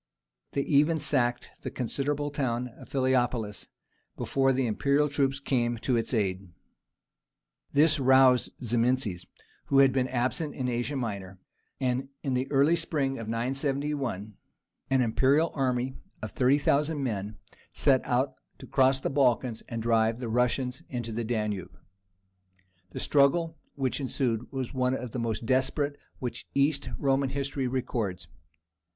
They even sacked the considerable town of Philippopolis before the imperial troops came to its aid. This roused Zimisces, who had been absent in Asia Minor, and in the early spring of 971 an imperial army of 30,000 men set out to cross the Balkans and drive the Russians into the Danube. The struggle which ensued was one of the most desperate which East Roman history records.